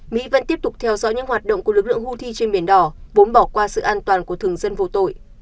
mỹ vẫn tiếp tục theo dõi những hoạt động của lực lượng houthi trên biển đỏ vốn bỏ qua sự an toàn của thường dân vô tội